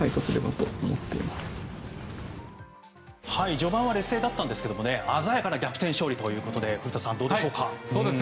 序盤は劣勢だったんですけれども鮮やかな逆転勝利ということで古田さん、どうでしょうか？